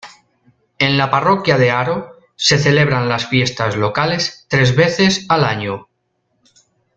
En la parroquia de Aro se celebran las fiestas locales tres veces al año.